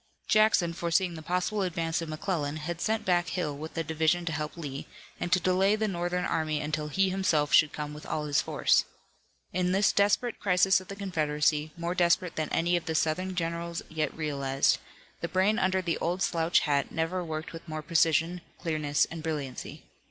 Jackson, foreseeing the possible advance of McClellan, had sent back Hill with a division to help Lee, and to delay the Northern army until he himself should come with all his force. In this desperate crisis of the Confederacy, more desperate than any of the Southern generals yet realized, the brain under the old slouch hat never worked with more precision, clearness and brilliancy.